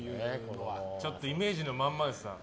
ちょっとイメージのまんまですね。